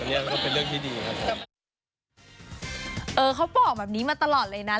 เนี้ยก็เป็นเรื่องที่ดีครับเออเขาบอกแบบนี้มาตลอดเลยนะ